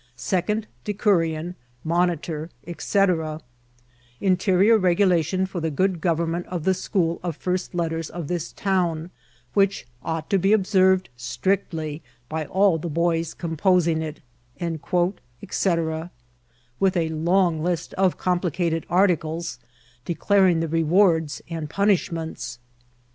9d DeeorioB. MONITOB, dEC <* Interior regulation for the good goremment of the achool of first letters of this town, which ought to be obserred strictly by all the bojra oompoaing it," dcc^ with a long list of complicated articles, declaring the rewards and punishments.